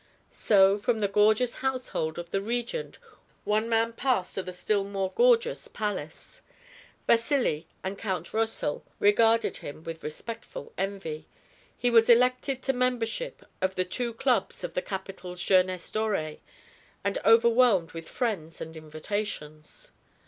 So from the gorgeous household of the Regent one man passed to the still more gorgeous palace. Vasili and Count Rosal regarded him with respectful envy; he was elected to membership of the two clubs of the capital's jeunesse dorée, and overwhelmed with friends and invitations.